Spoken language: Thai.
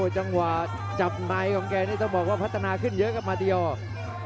จังหวะจับในของแกนี่ต้องบอกว่าพัฒนาขึ้นเยอะครับมาดีออก